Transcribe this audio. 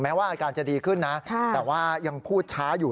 ว่าอาการจะดีขึ้นนะแต่ว่ายังพูดช้าอยู่